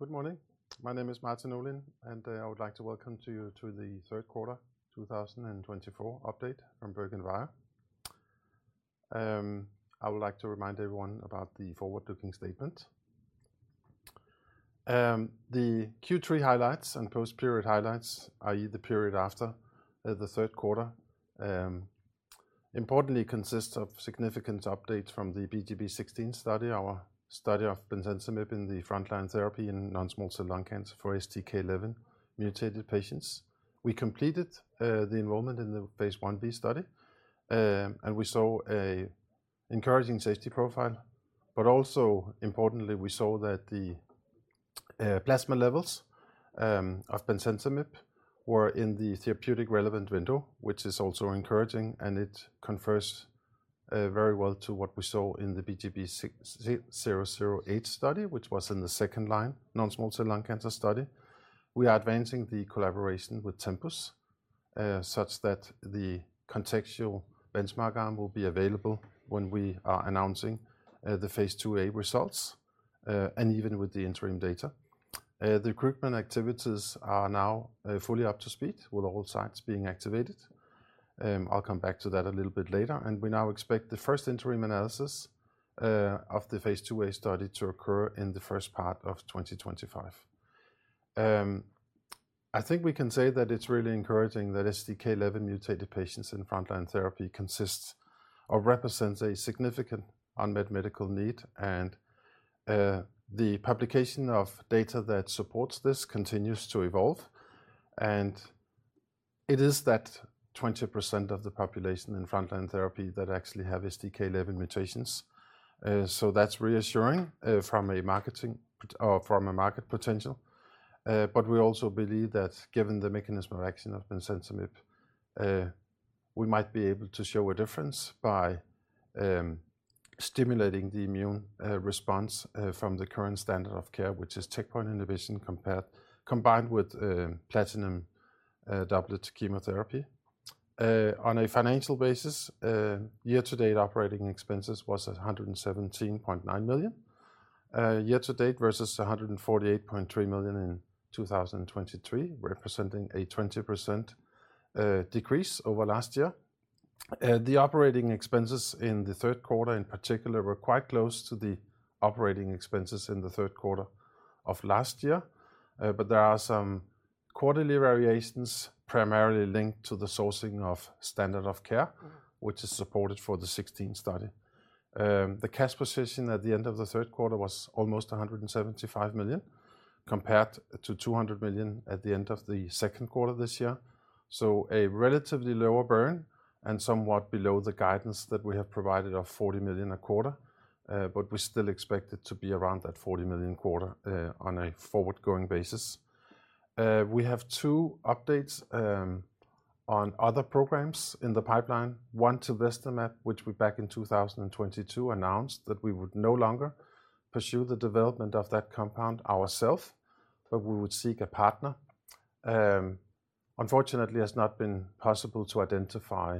Good morning. My name is Martin Olin, and I would like to welcome you to the third quarter 2024 update from BerGenBio. I would like to remind everyone about the forward-looking statement. The Q3 highlights and post-period highlights, i.e., the period after the third quarter, importantly consist of significant updates from the BGBC016 study, our study of Bemcentinib in the frontline therapy in non-small cell lung cancer for STK11 mutated patients. We completed the enrollment in the Phase 1b study, and we saw an encouraging safety profile. But also, importantly, we saw that the plasma levels of Bemcentinib were in the therapeutic relevant window, which is also encouraging, and it confers very well to what we saw in the BGBC008 study, which was in the second line non-small cell lung cancer study. We are advancing the collaboration with Tempus such that the contextual benchmark arm will be available when we are announcing the phase 2a results and even with the interim data. The recruitment activities are now fully up to speed with all sites being activated. I'll come back to that a little bit later. We now expect the first interim analysis of the phase 2a study to occur in the first part of 2025. I think we can say that it's really encouraging that STK11 mutated patients in frontline therapy consist or represent a significant unmet medical need and the publication of data that supports this continues to evolve. It is that 20% of the population in frontline therapy that actually have STK11 mutations. That's reassuring from a marketing or from a market potential. But we also believe that given the mechanism of action of Bemcentinib, we might be able to show a difference by stimulating the immune response from the current standard of care, which is checkpoint inhibition combined with platinum doublet chemotherapy. On a financial basis, year-to-date operating expenses was at 117.9 million year-to-date versus 148.3 million in 2023, representing a 20% decrease over last year. The operating expenses in the third quarter in particular were quite close to the operating expenses in the third quarter of last year. But there are some quarterly variations primarily linked to the sourcing of standard of care, which is supported for the '16 study. The cash position at the end of the third quarter was almost 175 million compared to 200 million at the end of the second quarter this year. A relatively lower burn and somewhat below the guidance that we have provided of 40 million a quarter, but we still expect it to be around that 40 million a quarter on a forward-going basis. We have two updates on other programs in the pipeline. One to tilvestamab, which we back in 2022 announced that we would no longer pursue the development of that compound ourselves, but we would seek a partner. Unfortunately, it has not been possible to identify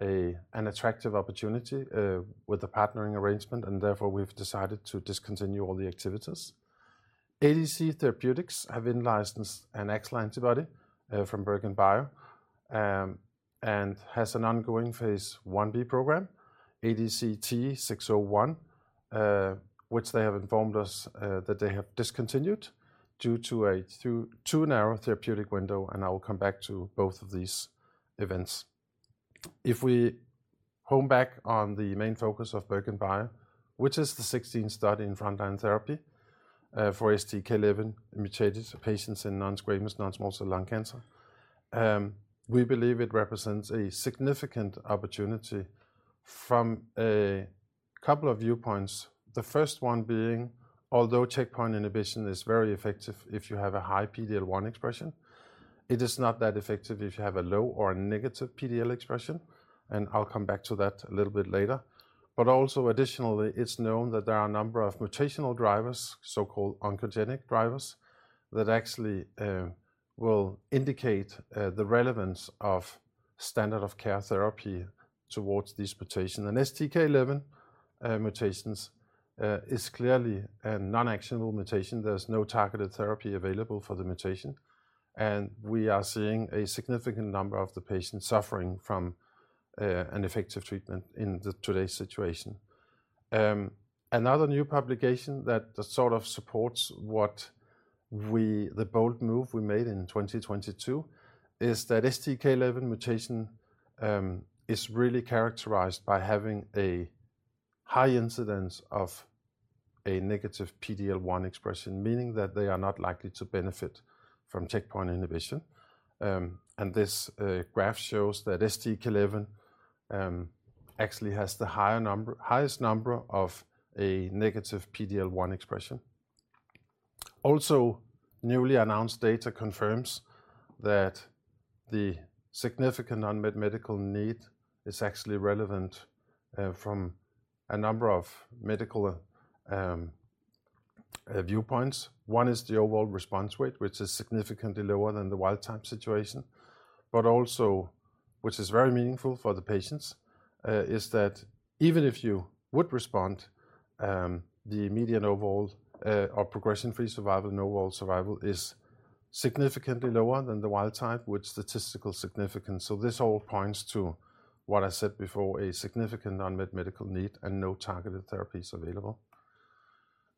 an attractive opportunity with a partnering arrangement, and therefore we've decided to discontinue all the activities. ADC Therapeutics have in-licensed an AXL antibody from BerGenBio and has an ongoing phase 1b program, ADCT-601, which they have informed us that they have discontinued due to too narrow a therapeutic window, and I will come back to both of these events. If we zoom in on the main focus of BergenBio, which is the '16 study in frontline therapy, for STK11 mutated patients in non-squamous, non-small cell lung cancer, we believe it represents a significant opportunity from a couple of viewpoints. The first one being, although checkpoint inhibition is very effective if you have a high PD-L1 expression, it is not that effective if you have a low or a negative PD-L1 expression, and I'll come back to that a little bit later, but also, additionally, it's known that there are a number of mutational drivers, so-called oncogenic drivers, that actually, will indicate, the relevance of standard of care therapy towards these mutations, and STK11 mutations is clearly a non-actionable mutation. There's no targeted therapy available for the mutation, and we are seeing a significant number of the patients suffering from ineffective treatment in today's situation. Another new publication that sort of supports what we, the bold move we made in 2022, is that STK11 mutation is really characterized by having a high incidence of a negative PD-L1 expression, meaning that they are not likely to benefit from checkpoint inhibition. This graph shows that STK11 actually has the higher number, highest number of a negative PD-L1 expression. Newly announced data confirms that the significant unmet medical need is actually relevant from a number of medical viewpoints. One is the overall response rate, which is significantly lower than the wild-type situation. This is very meaningful for the patients. Even if you would respond, the median overall or progression-free survival and overall survival is significantly lower than the wild-type with statistical significance. This all points to what I said before, a significant unmet medical need and no targeted therapies available.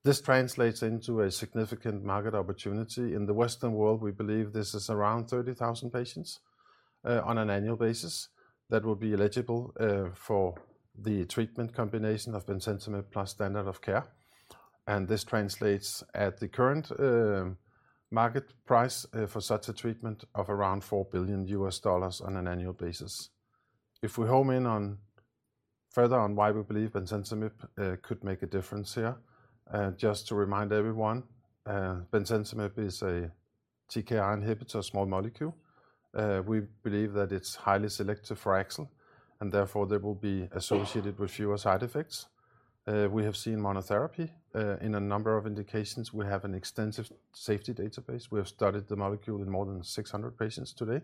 This translates into a significant market opportunity. In the Western world, we believe this is around 30,000 patients, on an annual basis that will be eligible, for the treatment combination of Bemcentinib plus standard of care. This translates at the current, market price, for such a treatment of around $4 billion on an annual basis. If we home in on further on why we believe Bemcentinib could make a difference here, just to remind everyone, Bemcentinib is a TKI inhibitor, small molecule. We believe that it's highly selective for AXL, and therefore there will be associated with fewer side effects. We have seen monotherapy, in a number of indications. We have an extensive safety database. We have studied the molecule in more than 600 patients today.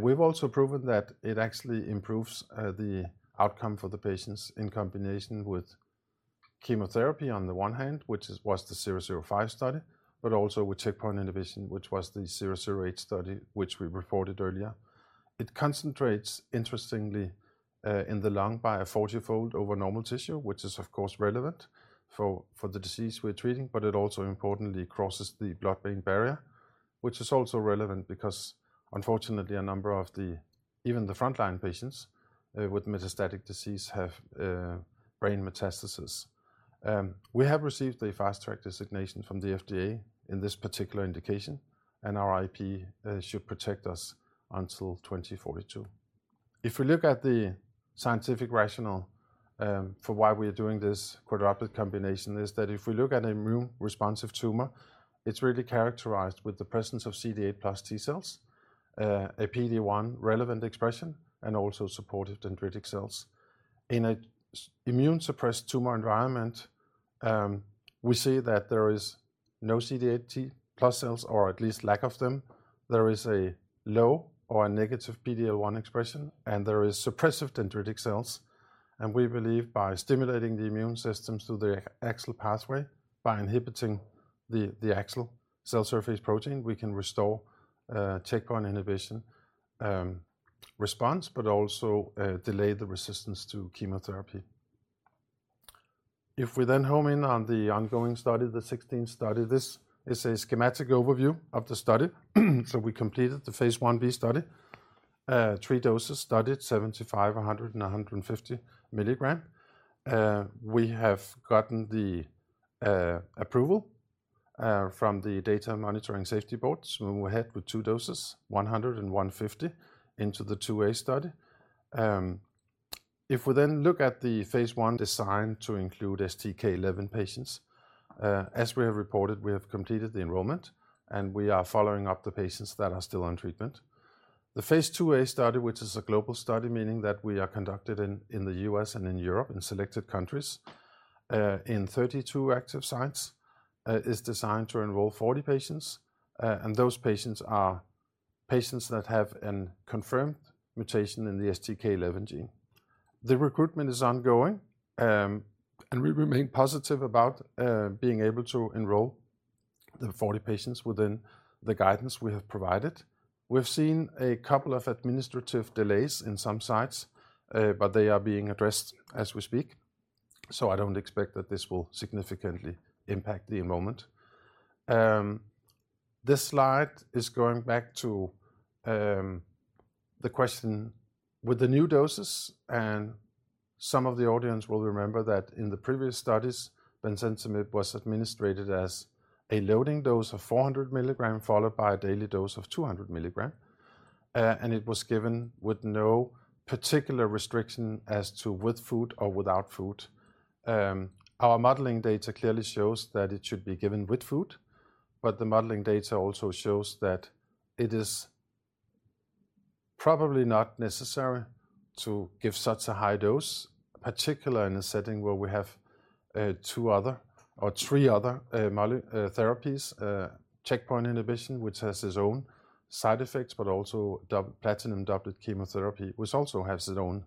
We've also proven that it actually improves the outcome for the patients in combination with chemotherapy on the one hand, which was the BGBC005 study, but also with checkpoint inhibition, which was the BGBC008 study, which we reported earlier. It concentrates, interestingly, in the lung by a 40-fold over normal tissue, which is, of course, relevant for the disease we're treating, but it also, importantly, crosses the blood-brain barrier, which is also relevant because, unfortunately, a number of the even the frontline patients with metastatic disease have brain metastasis. We have received a Fast Track designation from the FDA in this particular indication, and our IP should protect us until 2042. If we look at the scientific rationale, for why we are doing this quadruplet combination, is that if we look at an immune-responsive tumor, it's really characterized with the presence of CD8+ T cells, a PD-L1 relevant expression, and also supportive dendritic cells. In an immune-suppressed tumor environment, we see that there is no CD8+ T cells or at least lack of them. There is a low or a negative PD-L1 expression, and there is suppressive dendritic cells, and we believe by stimulating the immune systems through the AXL pathway, by inhibiting the AXL cell surface protein, we can restore checkpoint inhibition response, but also delay the resistance to chemotherapy. If we then home in on the ongoing study, the '16 study, this is a schematic overview of the study, so we completed the phase 1b study, three doses studied, 75, 100, and 150 milligram. We have gotten the approval from the data monitoring safety board to move ahead with two doses, 100 and 150, into the 2A study. If we then look at the Phase l, designed to include STK11 patients, as we have reported, we have completed the enrollment, and we are following up the patients that are still on treatment. The Phase ll-A study, which is a global study, meaning that we are conducted in the U.S. and in Europe in selected countries, in 32 active sites, is designed to enroll 40 patients, and those patients are patients that have a confirmed mutation in the STK11 gene. The recruitment is ongoing, and we remain positive about being able to enroll the 40 patients within the guidance we have provided. We've seen a couple of administrative delays in some sites, but they are being addressed as we speak. So I don't expect that this will significantly impact the enrollment. This slide is going back to the question with the new doses. And some of the audience will remember that in the previous studies, Bemcentinib was administered as a loading dose of 400 milligrams followed by a daily dose of 200 milligrams. And it was given with no particular restriction as to with food or without food. Our modeling data clearly shows that it should be given with food, but the modeling data also shows that it is probably not necessary to give such a high dose, particularly in a setting where we have two other or three other modalities, therapies, checkpoint inhibition, which has its own side effects, but also double platinum doublet chemotherapy, which also has its own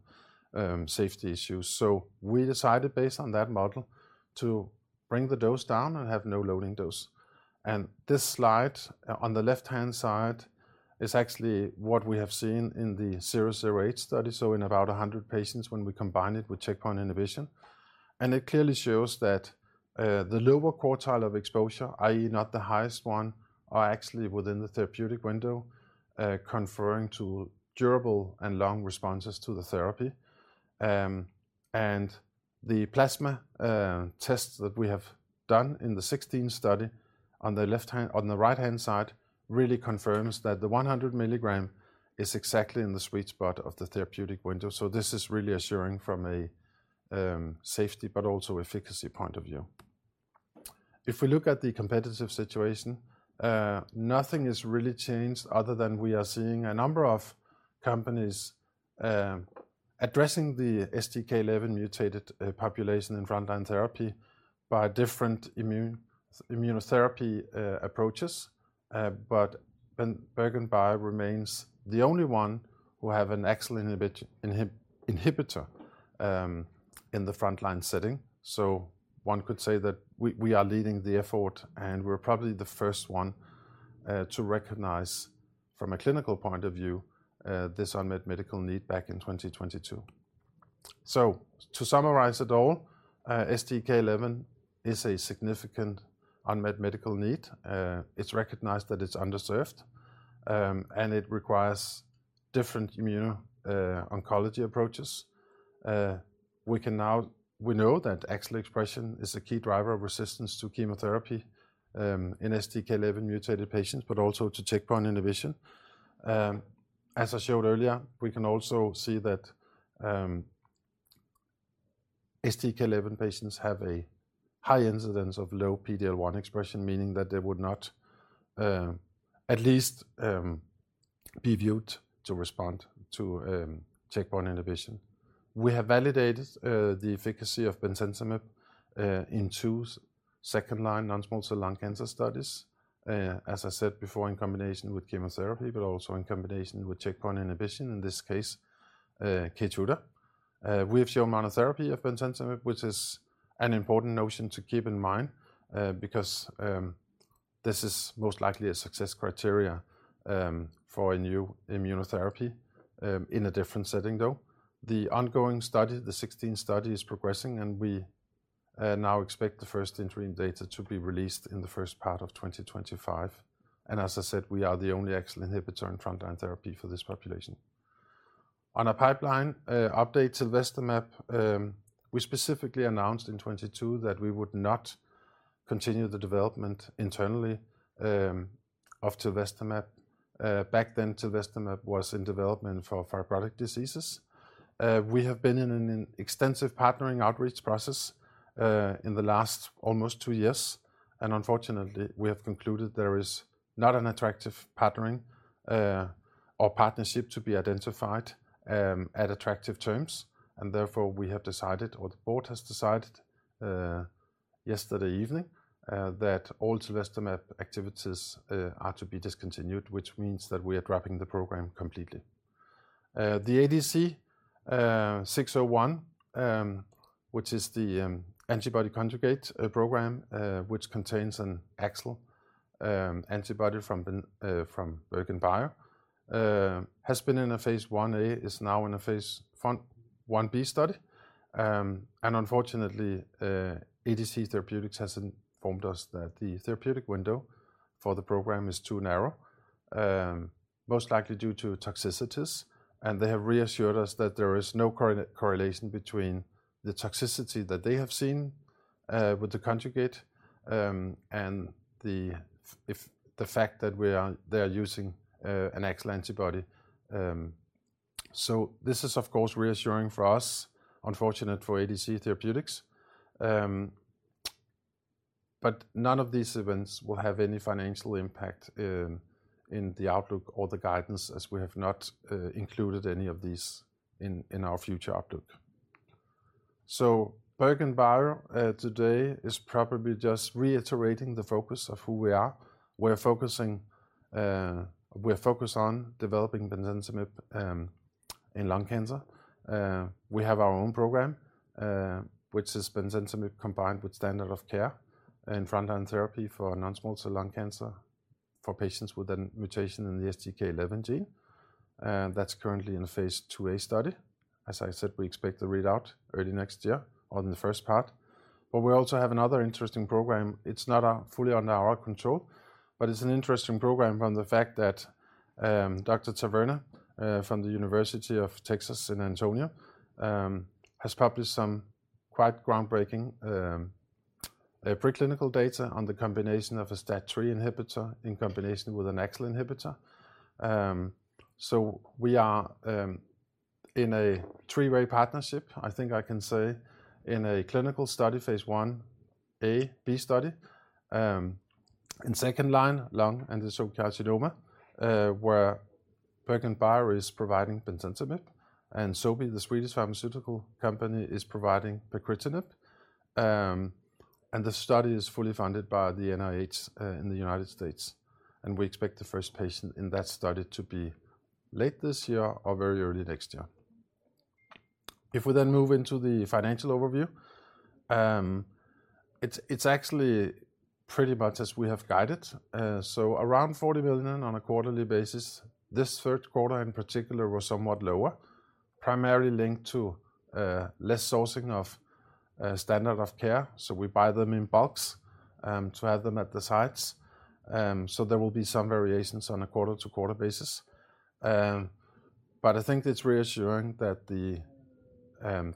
safety issues. So we decided, based on that model, to bring the dose down and have no loading dose. And this slide on the left-hand side is actually what we have seen in the 008 study. So in about 100 patients, when we combine it with checkpoint inhibition, and it clearly shows that, the lower quartile of exposure, i.e., not the highest one, are actually within the therapeutic window, conferring to durable and long responses to the therapy. And the plasma tests that we have done in the '16 study on the left-hand, on the right-hand side really confirms that the 100 milligram is exactly in the sweet spot of the therapeutic window. So this is really assuring from a safety, but also efficacy point of view. If we look at the competitive situation, nothing has really changed other than we are seeing a number of companies addressing the STK11 mutated population in frontline therapy by different immune immunotherapy approaches. But BerGenBio remains the only one who has an AXL inhibitor, in the frontline setting. So one could say that we are leading the effort, and we're probably the first one, to recognize from a clinical point of view, this unmet medical need back in 2022. So to summarize it all, STK11 is a significant unmet medical need. It's recognized that it's underserved, and it requires different immuno-oncology approaches. We can now, we know that AXL expression is a key driver of resistance to chemotherapy, in STK11 mutated patients, but also to checkpoint inhibition. As I showed earlier, we can also see that, STK11 patients have a high incidence of low PD-L1 expression, meaning that they would not, at least, be viewed to respond to, checkpoint inhibition. We have validated the efficacy of Bemcentinib in two second-line non-small cell lung cancer studies, as I said before, in combination with chemotherapy, but also in combination with checkpoint inhibition, in this case, Keytruda. We have shown monotherapy of Bemcentinib, which is an important notion to keep in mind, because this is most likely a success criteria for a new immunotherapy in a different setting, though. The ongoing study, the '16 study, is progressing, and we now expect the first interim data to be released in the first part of 2025. And as I said, we are the only AXL inhibitor in frontline therapy for this population. On our pipeline update to Tilvestamab, we specifically announced in 2022 that we would not continue the development internally of Tilvestamab. Back then, Tilvestamab was in development for fibrotic diseases. We have been in an extensive partnering outreach process, in the last almost two years. Unfortunately, we have concluded there is not an attractive partnering, or partnership to be identified, at attractive terms. Therefore, we have decided, or the board has decided, yesterday evening, that all Tilvestamab activities, are to be discontinued, which means that we are dropping the program completely. The ADCT-601, which is the, antibody conjugate, program, which contains an AXL, antibody from the, from BergenVire, has been in a phase 1a, is now in a phase 1b study. Unfortunately, ADC Therapeutics has informed us that the therapeutic window for the program is too narrow, most likely due to toxicities. They have reassured us that there is no correlation between the toxicity that they have seen, with the conjugate, and the, if the fact that we are, they are using, an AXL antibody. This is, of course, reassuring for us, unfortunate for ADC Therapeutics. None of these events will have any financial impact in the outlook or the guidance, as we have not included any of these in our future outlook. BerGenBio today is probably just reiterating the focus of who we are. We're focusing, we're focused on developing Bemcentinib in lung cancer. We have our own program, which is Bemcentinib combined with standard of care in frontline therapy for non-small cell lung cancer for patients with a mutation in the STK11 gene. That's currently in a phase ll-A study. As I said, we expect the readout early next year or in the first part. We also have another interesting program. It's not fully under our control, but it's an interesting program from the fact that, Dr. Taverna from the University of Texas in San Antonio has published some quite groundbreaking preclinical data on the combination of a STAT3 inhibitor in combination with an AXL inhibitor. We are, in a three-way partnership, I think I can say, in a clinical study, Phase 1b study, in second-line lung and the so-called STK11, where BerGenBio is providing Bemcentinib and Sobi, the Swedish pharmaceutical company, is providing pacritinib, and the study is fully funded by the NIH in the United States, and we expect the first patient in that study to be late this year or very early next year. If we then move into the financial overview, it's actually pretty much as we have guided, so around 40 million on a quarterly basis. This third quarter in particular was somewhat lower, primarily linked to less sourcing of standard of care. So we buy them in bulks to have them at the sites. So there will be some variations on a quarter-to-quarter basis. But I think it's reassuring that the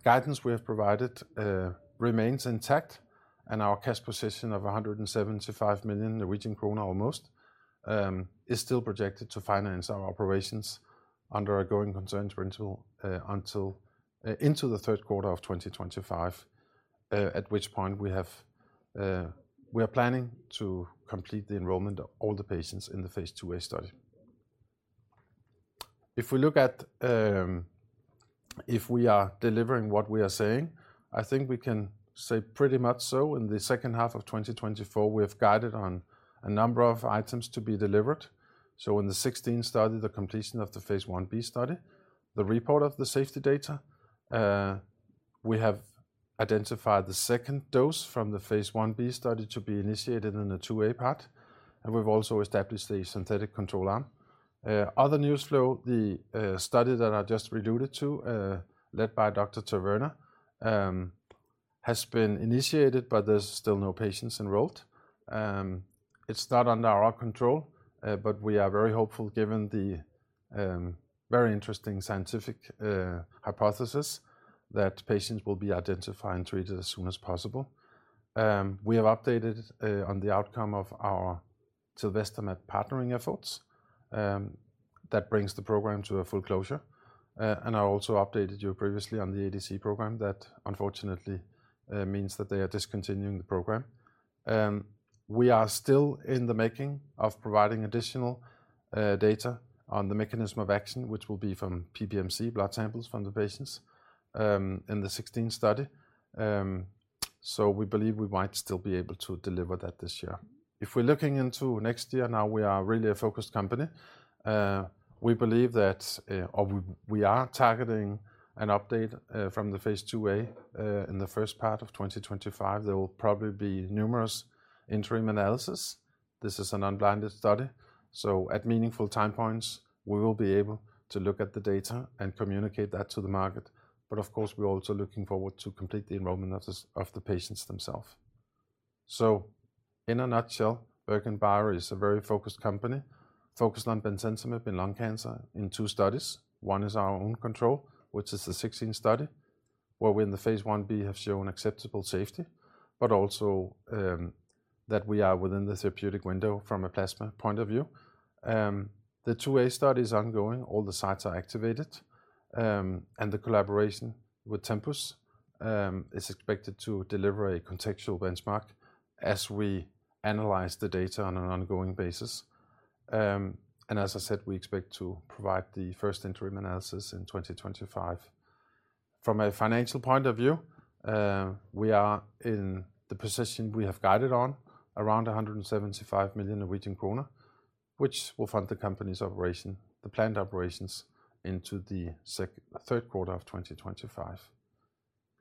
guidance we have provided remains intact and our cash position of 175 million Norwegian krone almost is still projected to finance our operations under our going concerns principle until into the third quarter of 2025, at which point we have, we are planning to complete the enrollment of all the patients in the phase ll-A study. If we look at, if we are delivering what we are saying, I think we can say pretty much so in the second half of 2024, we have guided on a number of items to be delivered. So in the '16 study, the completion of the Phase 1b study, the report of the safety data, we have identified the second dose from the phase 1b study to be initiated in a 2A part, and we've also established a synthetic control arm. Other news flow, the study that I just alluded to, led by Dr. Taverna, has been initiated, but there's still no patients enrolled. It's not under our control, but we are very hopeful given the very interesting scientific hypothesis that patients will be identified and treated as soon as possible. We have updated on the outcome of our Tilvestamab partnering efforts, that brings the program to a full closure, and I also updated you previously on the ADC program that unfortunately means that they are discontinuing the program. We are still in the making of providing additional data on the mechanism of action, which will be from PBMC blood samples from the patients in the '16 study. So we believe we might still be able to deliver that this year. If we're looking into next year now, we are really a focused company. We believe that we are targeting an update from the phase ll-A in the first part of 2025. There will probably be numerous interim analysis. This is an unblinded study. So at meaningful time points, we will be able to look at the data and communicate that to the market. But of course, we're also looking forward to complete the enrollment of the patients themselves. So in a nutshell, BerGenBio is a very focused company focused on Bemcentinib in lung cancer in two studies. One is our own control, which is the '16 study, where we in the Phase 1b have shown acceptable safety, but also that we are within the therapeutic window from a plasma point of view. The 2A study is ongoing. All the sites are activated, and the collaboration with Tempus is expected to deliver a contextual benchmark as we analyze the data on an ongoing basis, and as I said, we expect to provide the first interim analysis in 2025. From a financial point of view, we are in the position we have guided on around 175 million Norwegian kroner, which will fund the company's operation, the planned operations into the second, third quarter of 2025.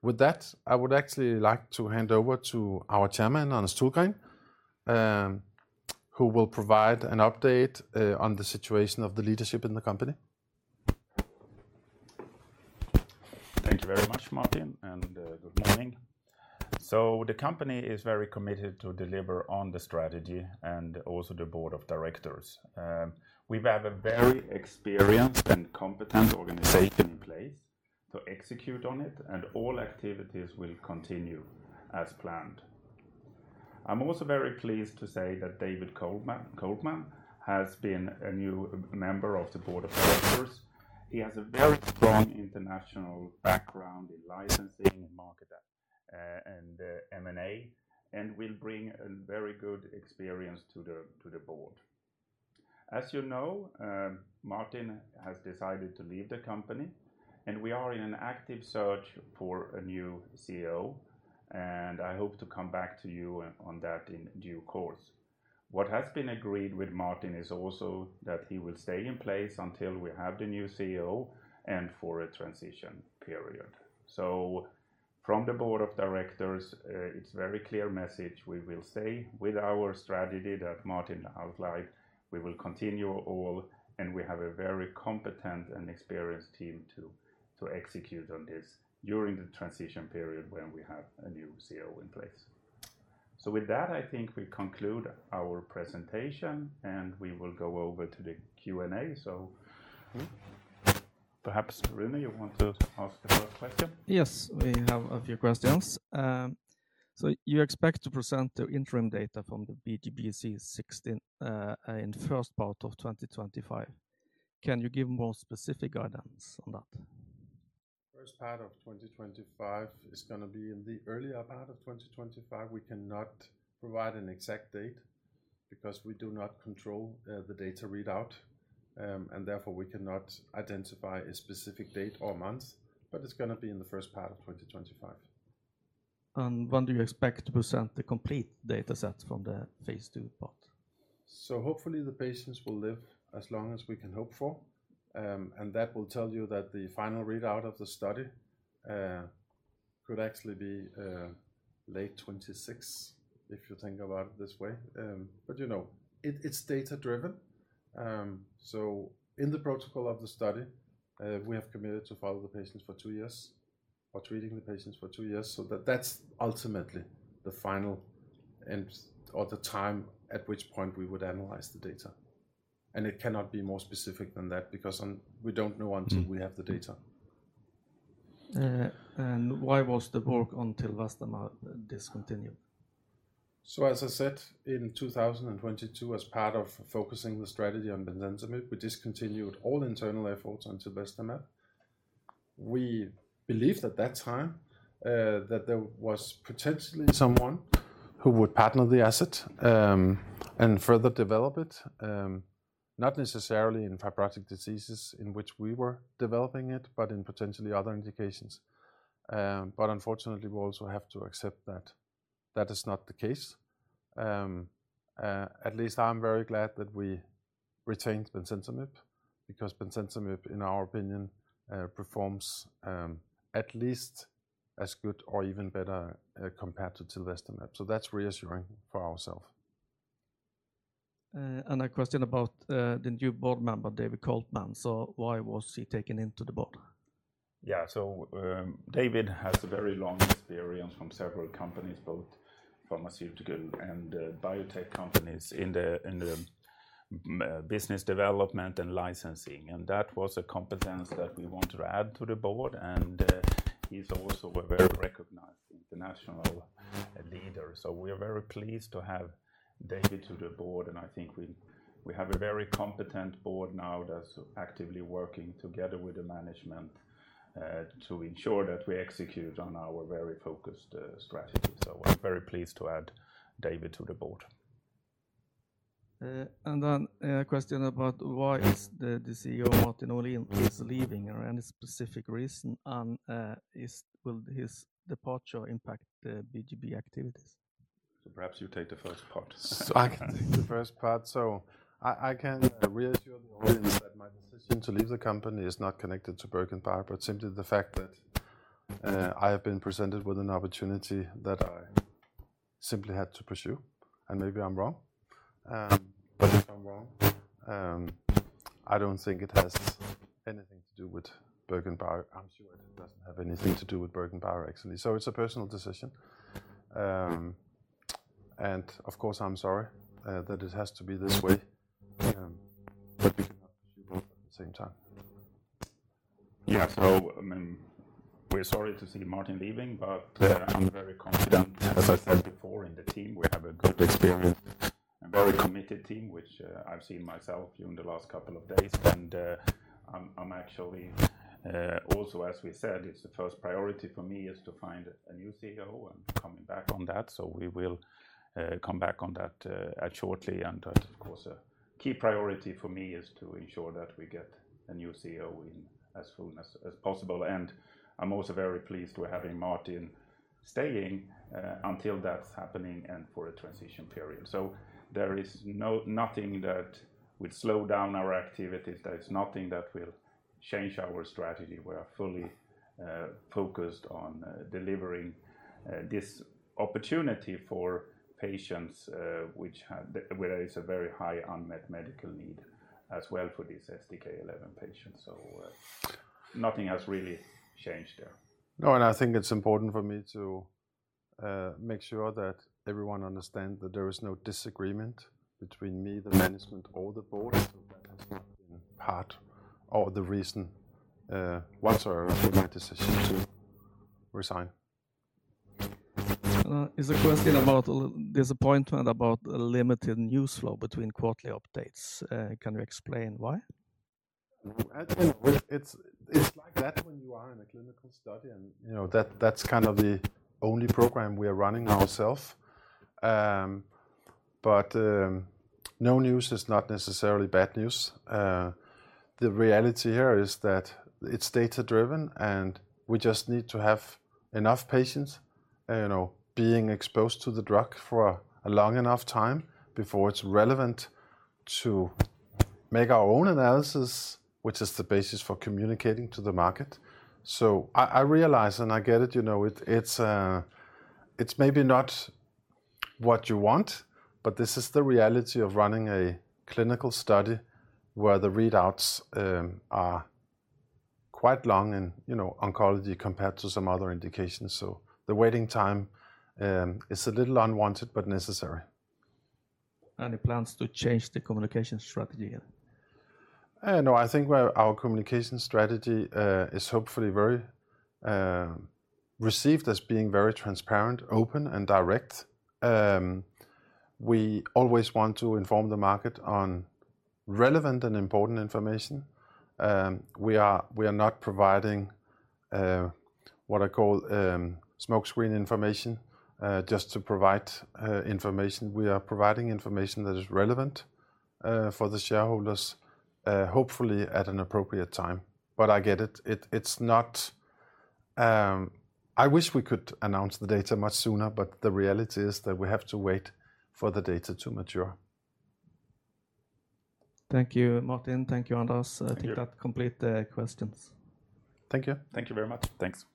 With that, I would actually like to hand over to our Chairman, Anders Tullgren, who will provide an update on the situation of the leadership in the company. Thank you very much, Martin, and good morning. So the company is very committed to deliver on the strategy and also the board of directors. We have a very experienced and competent organization in place to execute on it, and all activities will continue as planned. I'm also very pleased to say that David Colpman has been a new member of the board of directors. He has a very strong international background in licensing and market, and M&A, and will bring a very good experience to the board. As you know, Martin has decided to leave the company, and we are in an active search for a new CEO, and I hope to come back to you on that in due course. What has been agreed with Martin is also that he will stay in place until we have the new CEO and for a transition period. From the board of directors, it's a very clear message. We will stay with our strategy that Martin outlined. We will continue all, and we have a very competent and experienced team to execute on this during the transition period when we have a new CEO in place. So with that, I think we conclude our presentation, and we will go over to the Q&A. So perhaps Rune, you want to ask the first question? Yes, we have a few questions. So you expect to present the interim data from the BGBC016 in the first part of 2025. Can you give more specific guidance on that? First part of 2025 is going to be in the earlier part of 2025. We cannot provide an exact date because we do not control the data readout, and therefore we cannot identify a specific date or month, but it's going to be in the first part of 2025. And when do you expect to present the complete data set from the phase ll part? So hopefully the patients will live as long as we can hope for, and that will tell you that the final readout of the study could actually be late 2026 if you think about it this way, but you know, it's data-driven. So in the protocol of the study, we have committed to follow the patients for two years or treating the patients for two years. So that's ultimately the final and, or the time at which point we would analyze the data. And it cannot be more specific than that because we don't know until we have the data. Why was the work on Tilvestamab discontinued? So as I said, in 2022, as part of focusing the strategy on Bemcentinib, we discontinued all internal efforts on Tilvestamab. We believed at that time, that there was potentially someone who would partner the asset, and further develop it, not necessarily in fibrotic diseases in which we were developing it, but in potentially other indications. But unfortunately, we also have to accept that that is not the case. At least I'm very glad that we retained Bemcentinib because Bemcentinib, in our opinion, performs, at least as good or even better, compared to Tilvestamab. So that's reassuring for ourself. And a question about the new board member, David Colpman. So why was he taken into the board? Yeah, so David has a very long experience from several companies, both pharmaceutical and biotech companies in the business development and licensing. And that was a competence that we wanted to add to the board. And he's also a very recognized international leader. So we are very pleased to have David to the board. And I think we have a very competent board now that's actively working together with the management to ensure that we execute on our very focused strategy. So I'm very pleased to add David to the board. And then a question about why the CEO, Martin Olin, is leaving? Any specific reason? And will his departure impact the BGB activities? So perhaps you take the first part. So I can take the first part. So I can reassure the audience that my decision to leave the company is not connected to BerGenBio, but simply the fact that I have been presented with an opportunity that I simply had to pursue. And maybe I'm wrong. But if I'm wrong, I don't think it has anything to do with BerGenBio. I'm sure it doesn't have anything to do with BerGenBio, actually. So it's a personal decision. And of course, I'm sorry that it has to be this way. But we cannot pursue both at the same time. Yeah, so I mean, we're sorry to see Martin leaving, but I'm very confident, as I said before, in the team. We have a good experience, a very committed team, which I've seen myself during the last couple of days. I'm actually also, as we said, it's the first priority for me is to find a new CEO and coming back on that. We will come back on that shortly. That, of course, a key priority for me is to ensure that we get a new CEO in as soon as possible. I'm also very pleased we're having Martin staying until that's happening and for a transition period. There is nothing that would slow down our activities. There is nothing that will change our strategy. We are fully focused on delivering this opportunity for patients, where there is a very high unmet medical need as well for these STK11 patients. Nothing has really changed there. No, and I think it's important for me to make sure that everyone understands that there is no disagreement between me, the management, or the board. So that has not been part of the reason whatsoever for my decision to resign. Is the question about a little disappointment about a limited news flow between quarterly updates? Can you explain why? Well, it's like that when you are in a clinical study and, you know, that's kind of the only program we are running ourselves. But no news is not necessarily bad news. The reality here is that it's data-driven and we just need to have enough patients, you know, being exposed to the drug for a long enough time before it's relevant to make our own analysis, which is the basis for communicating to the market. I realize and I get it, you know, it's maybe not what you want, but this is the reality of running a clinical study where the readouts are quite long in, you know, oncology compared to some other indications. The waiting time is a little unwanted, but necessary. Any plans to change the communication strategy? No, I think our communication strategy is hopefully received as being very transparent, open, and direct. We always want to inform the market on relevant and important information. We are not providing what I call smokescreen information just to provide information. We are providing information that is relevant for the shareholders, hopefully at an appropriate time. But I get it. It's not. I wish we could announce the data much sooner, but the reality is that we have to wait for the data to mature. Thank you, Martin. Thank you, Anders. I think that completed the questions. Thank you. Thank you very much. Thanks.